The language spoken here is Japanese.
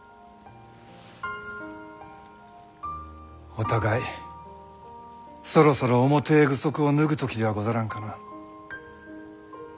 お互いそろそろ重てえ具足を脱ぐ時ではござらんかな。